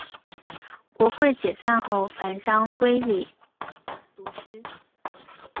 国会解散后返乡归里独居。